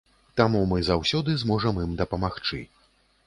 Таму мы заўсёды зможам ім дапамагчы.